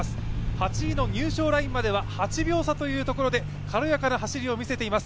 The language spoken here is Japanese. ８位の入賞ラインまでは８秒差というところで軽やかな走りを見せています。